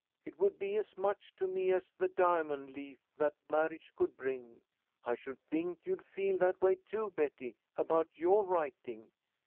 It would be as much to me as the diamond leaf that marriage could bring. I should think you'd feel that way, too, Betty, about your writing.